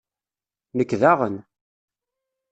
Nekk daɣen!